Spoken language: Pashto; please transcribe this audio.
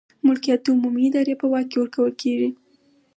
ملکیت د عمومي ادارې په واک کې ورکول کیږي.